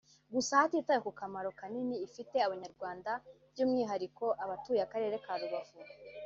Gusa hatitawe ku kamaro kanini ifite abanyarwanda by’umwihariko abatuye akarere ka Rubavu